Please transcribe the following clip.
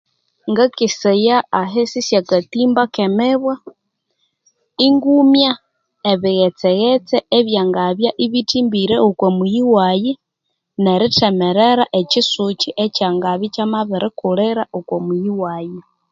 Ngakesaya ahisi syakatimba kemibwa ingumya ebighetse ghetse ebyangabya ibithimbire okwa muyi wayi nerithemerera ekisuki ekyangabya ikyamabirikulira oku muyi wayi